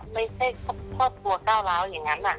ไม่ใช่ครอบครัวก้าวร้าวอย่างนั้น